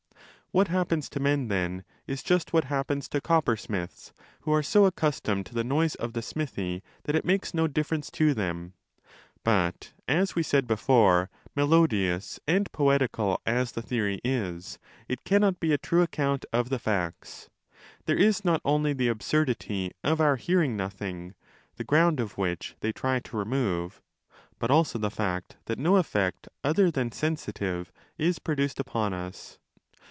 What happens to men, then, is just what happens to coppersmiths, who are so accustomed to the noise of the smithy that it 30 makes no difference to them. But, as we said before, melodious and poetical as the theory is, it cannot be a true account of the facts. There is not only the absurdity of our hearing nothing, the ground of which they try to remove, but also the fact that no effect other than sensitive is produced upon us.